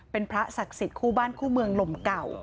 เป็นพระศักดิ์สิทธิ์คู่บ้านคู่เมืองลมเก่า